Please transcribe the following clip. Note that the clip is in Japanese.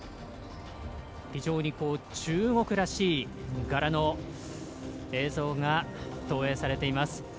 非常に中国らしい柄の映像が投影されています。